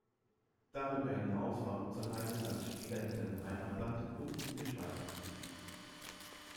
Darüber hinaus war Ruotsalainen als Spieler in seinem Heimatland und in der Schweiz aktiv.